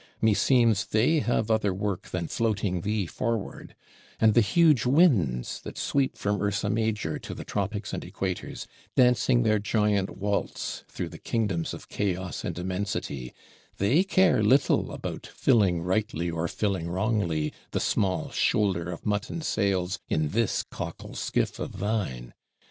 Meseems they have other work than floating thee forward: and the huge Winds, that sweep from Ursa Major to the Tropics and Equators, dancing their giant waltz through the kingdoms of Chaos and Immensity, they care little about filling rightly or filling wrongly the small shoulder of mutton sails in this cockle skiff of thine!